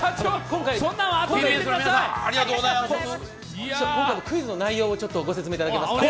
今回のクイズの内容をご説明いただけますか？